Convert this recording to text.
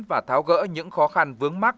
và tháo gỡ những khó khăn vướng mắc